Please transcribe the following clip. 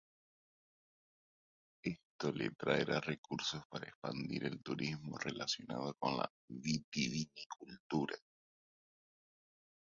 Esto le traerá recursos para expandir el turismo relacionado con la vitivinicultura.